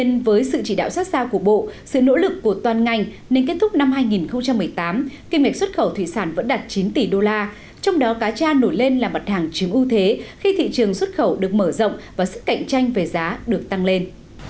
năm hai nghìn một mươi tám kỷ mệnh xuất khẩu thủy sản vẫn đạt chín tỷ đô la trong đó cá cha nổi lên là mặt hàng chiếm ưu thế khi thị trường xuất khẩu được mở rộng và sức cạnh tranh về giá được tăng lên